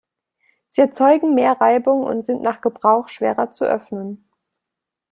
Sie erzeugen mehr Reibung und sind nach Gebrauch schwerer zu öffnen.